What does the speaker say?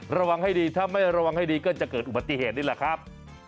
ระวังให้ดีถ้าไม่ระวังให้ดีก็จะเกิดอุบัติเหตุนี่แหละครับ